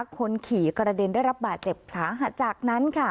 คนขี่กระเด็นได้รับบาดเจ็บสาหัสจากนั้นค่ะ